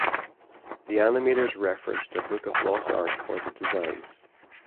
The animators referenced a book of lost art for the designs.